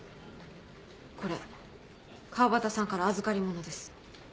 これ川端さんから預かり物です。